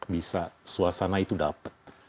bisa suasana itu dapat